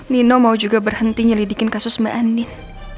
nino mau juga berhenti nyelidikin kasus mbak eni